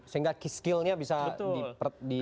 sehingga skillnya bisa ditambah